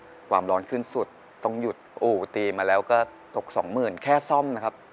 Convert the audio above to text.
ความร้อนขึ้นสุดต้องหยุดอู่ตีมาแล้วก็ตกสองหมื่นแค่ซ่อมนะครับ